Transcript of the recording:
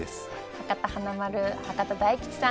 博多華丸、博多大吉さん